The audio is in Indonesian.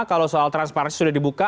kalau soal transparansi sudah dibuka